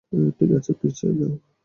ঠিক আছে, পিছিয়ে যাও।